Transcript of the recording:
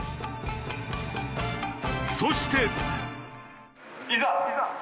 そして。